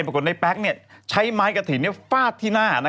ปรากฏในแป๊กใช้ไม้กระถิ่นฟาดที่หน้า